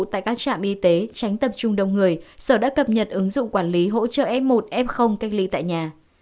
tại các trạm y tế tránh tập trung đông người sở đã cập nhật ứng dụng quản lý hỗ trợ f một f cách ly tại nhà